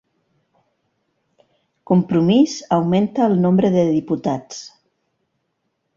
Compromís augmenta el nombre de diputats